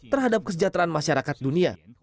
terhadap kesejahteraan masyarakat dunia